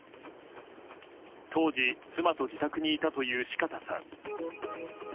当時、妻と自宅にいたという四方さん。